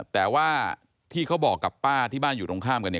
แต่ว่าที่เขาบอกกับป้าที่บ้านอยู่ตรงข้ามกันเนี่ย